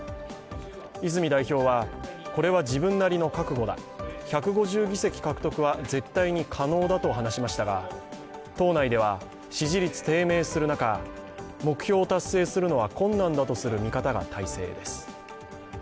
泉代表は、これは自分なりの覚悟だ１５０議席獲得は絶対に可能だと話しましたが党内では支持率低迷する中、目標を達成するのは困難だとする見方が大勢です。